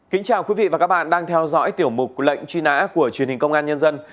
kính chào quý vị và các bạn đang theo dõi tiểu mục lệnh truy nã của truyền hình công an nhân dân